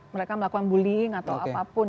mereka melakukan bullying atau apapun